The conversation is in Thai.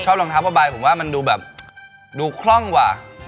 ชอบรองเท้าพ่อบายผมว่ามันดูแบบดูคล่องว่ะ